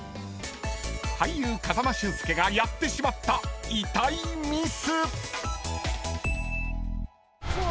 ［俳優風間俊介がやってしまった痛いミス！］